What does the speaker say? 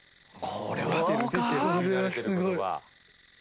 これはすごい。